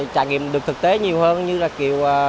trải nghiệm được thực tế nhiều hơn như là kiểu